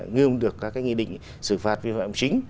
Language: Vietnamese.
nghiêm được các nghị định xử phạt vi phạm chính